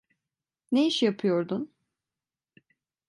Ne iş yapıyordun?